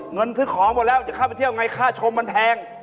เงินซื้อของหมดแล้วจะเข้าไปเที่ยวไงค่าชมมันแพง